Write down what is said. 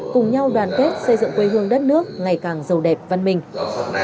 cùng nhau đoàn kết xây dựng quê hương đất nước ngày càng giàu đẹp văn minh